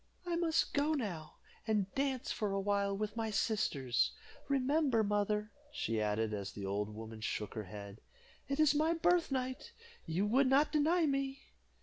"I must go now, and dance for a while with my sisters. Remember, mother," she added, as the old woman shook her head, "it is my birthnight you would not deny me."